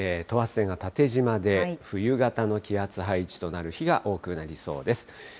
等圧線が縦じまで、冬型の気圧配置となる日が多くなりそうです。